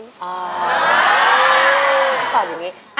ตอบอย่างนี้